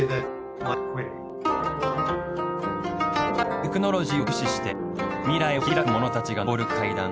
テクノロジーを駆使して未来を切り拓く者たちが昇る階段。